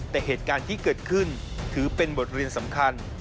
แต่เหตุการณ์ที่เกิดขึ้นถือเป็นบทเรียนสำคัญ